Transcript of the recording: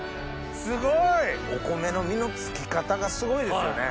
すごい！お米の実のつき方がすごいですよね。